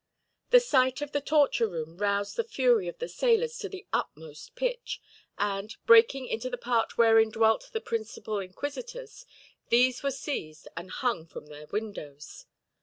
The sight of the torture room roused the fury of the sailors to the utmost pitch and, breaking into the part wherein dwelt the principal inquisitors, these were seized and hung from their windows.